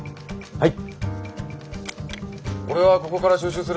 はい。